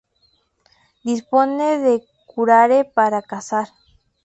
Disponen de curare para cazar.